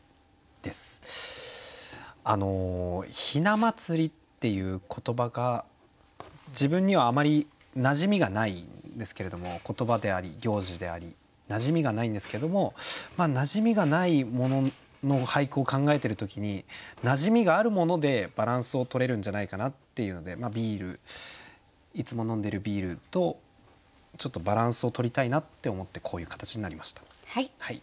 「雛祭」っていう言葉が自分にはあまりなじみがないんですけれども言葉であり行事でありなじみがないんですけどもなじみがないものの俳句を考えている時になじみがあるものでバランスをとれるんじゃないかなっていうので「ビール」いつも飲んでるビールとちょっとバランスをとりたいなって思ってこういう形になりました。